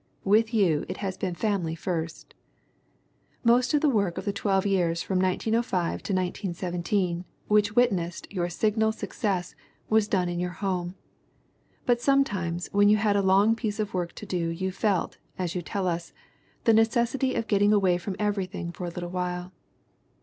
With you it has been family first ! Most of the work of the twelve years from 1905 to 4917 which witnessed your signal success was done in your home. But sometimes when you had a long piece of work to do you felt, as you tell us, "the necessity of getting away from everything for a little while."